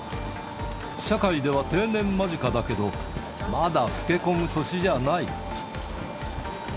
社会では定年間近だけど、まだ老け込む年じゃない。